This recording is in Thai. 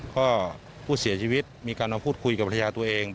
ก็ผู้เสียชีวิตมีการมาพูดคุยกับภรรยาตัวเอง